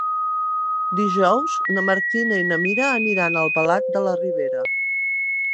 Dijous na Martina i na Mira aniran a Albalat de la Ribera.